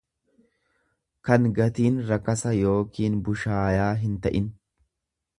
kan gatiin rakasa yookiin bushaayaa hinta'in.